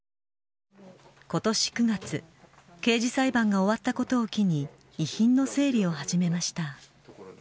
ことし９月、刑事裁判が終わったことを機に、遺品の整理を始めました。